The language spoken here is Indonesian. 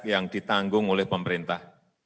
yang ditanggung oleh pemerintah